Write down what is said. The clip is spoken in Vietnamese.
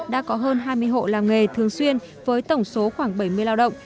đã có hơn hai mươi hộ làm nghề thường xuyên với tổng số khoảng bảy mươi lao động